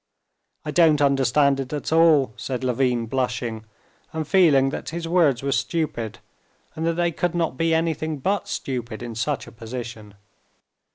"I don't understand it at all," said Levin, blushing, and feeling that his words were stupid, and that they could not be anything but stupid in such a position.